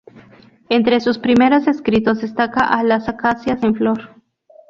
Entre sus primeros escritos destaca "A las acacias en flor".